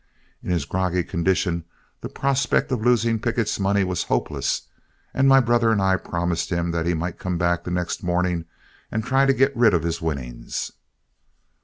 In his groggy condition, the prospect of losing Pickett's money was hopeless, and my brother and I promised him that he might come back the next morning and try to get rid of his winnings.